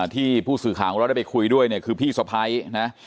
ที่ผู้สื่อข่าวของเราได้ไปคุยด้วยเนี่ยคือพี่สะพ้ายนะ